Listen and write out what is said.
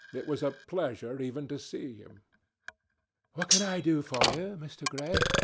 It was a pleasure even to see him. "What can I do for you, Mr. Gray?"